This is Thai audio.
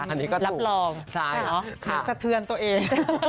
อันนี้ก็ถูกรับรองใช่เหรอค่ะสะเทือนตัวเอง